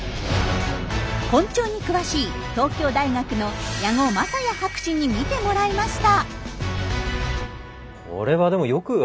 昆虫に詳しい東京大学の矢後勝也博士に見てもらいました。